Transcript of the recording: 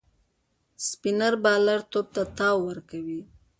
سپينر بالر توپ ته تاو ورکوي.